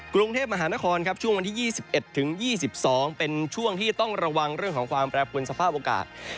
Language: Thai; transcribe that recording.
กรุงเทพมหานครครับช่วงวันที่๒๑๒๒เป็นช่วงที่ต้องระวังเรื่องของความแปรปวนสภาพอากาศ